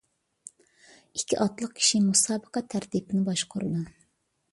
ئىككى ئاتلىق كىشى مۇسابىقە تەرتىپىنى باشقۇرىدۇ.